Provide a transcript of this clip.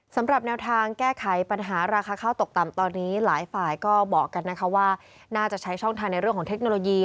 สำหรับแนวทางแก้ไขปัญหาราคาข้าวตกต่ำตอนนี้หลายฝ่ายก็บอกกันนะคะว่าน่าจะใช้ช่องทางในเรื่องของเทคโนโลยี